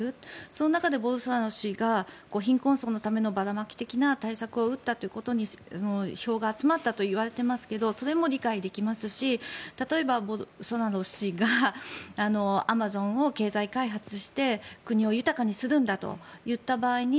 その中でボルソナロ氏が貧困層のためのばらまき的な対策を打ったということで票が集まったといわれていますがそれも理解できますし例えば、ボルソナロ氏がアマゾンを経済開発して国を豊かにするんだと言った場合に